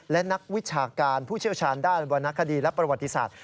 และนักวิชาการผู้เชี่ยวชาญด้านวรรณคดีและประวัติศาสตร์